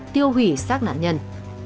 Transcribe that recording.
tiêu hủy sát nạn nhân